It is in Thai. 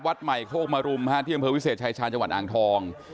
วัดใหม่โคกมรุมที่อำเภอวิเศษชายชาญจังหวัดอ่างทอง